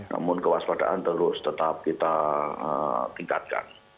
namun kewaspadaan terus tetap kita tingkatkan